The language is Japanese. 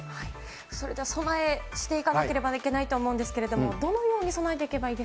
それでは備え、していかなければいけないとは思うんですけれども、どのように備えていけばい